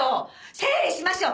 整理しましょう。